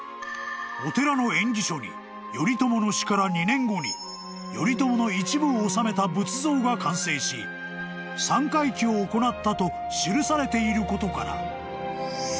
［お寺の縁起書に頼朝の死から２年後に頼朝の一部を納めた仏像が完成し三回忌を行ったと記されていることから］